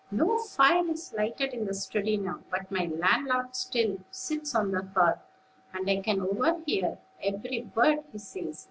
No fire is lighted in the study now; but my landlord still sits on the hearth, and I can overhear every word he says.